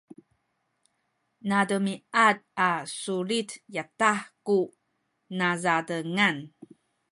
nademiad a sulit yadah ku nazatengan